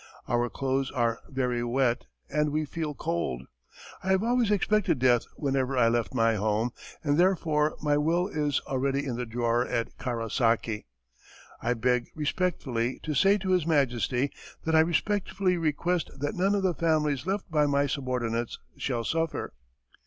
Our clothes are very wet and we feel cold. I have always expected death whenever I left my home, and therefore my will is already in the drawer at Karasaki. I beg, respectfully, to say to his Majesty that I respectfully request that none of the families left by my subordinates shall suffer.